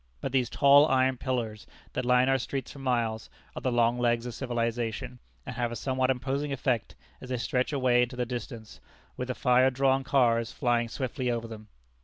But these tall iron pillars, that line our streets for miles, are the long legs of civilization, and have a somewhat imposing effect as they stretch away into the distance, with the fire drawn cars flying swiftly over them.